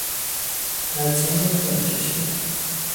پرچم را پایین کشیدن